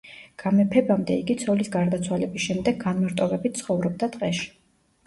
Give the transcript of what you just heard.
გამეფებამდე იგი ცოლის გარდაცვალების შემდეგ განმარტოვებით ცხოვრობდა ტყეში.